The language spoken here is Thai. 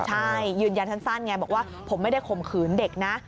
ใช่ยืนยันสั้นไงบอกว่าผมไม่ได้ข่มขืนเด็กนะ